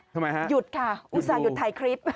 ทำไมฮะหยุดค่ะอุตส่าหุดถ่ายคลิป